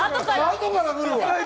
後から来るわ！